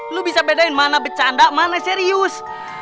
lu bisa bedain mana bercanda mana serius